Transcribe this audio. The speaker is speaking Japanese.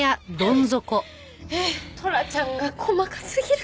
トラちゃんが細かすぎる！